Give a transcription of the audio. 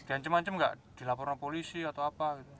dan cuman cuman nggak dilaporan polisi atau apa